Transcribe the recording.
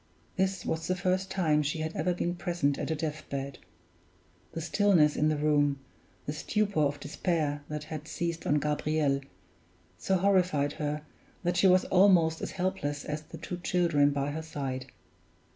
This was the first time she had ever been present at a death bed; the stillness in the room, the stupor of despair that had seized on Gabriel, so horrified her, that she was almost as helpless as the two children by her side.